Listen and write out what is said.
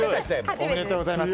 おめでとうございます。